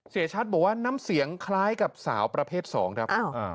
เสียชัดบอกว่าน้ำเสียงคล้ายกับสาวประเภทสองครับ